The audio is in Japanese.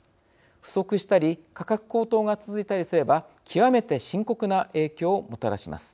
不足したり価格高騰が続いたりすれば極めて深刻な影響をもたらします。